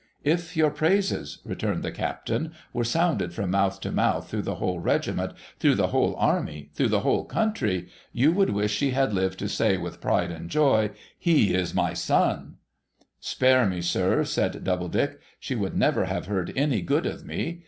' If your praises,' returned the Captain, ' were sounded from mouth to mouth through the Avhole regiment, through the whole army, through the whole country, you would wish she had lived to say, with pride and joy, " He is my son 1" '' Spare me, sir,' said Doubledick. * She would never have heard any good of me.